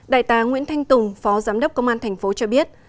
đại tá nguyễn thanh tùng phó giám đốc công an thành phố cho biết